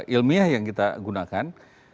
ilmiah yang kita gunakan